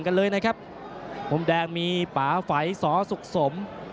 กลุ่มแดงมีป่าไฝสอสุกสม